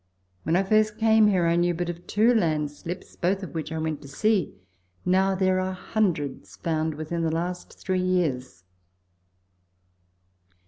When I first came here, I knew of but two landslips, both of which I went to see ; now there are hundreds found within the last three years.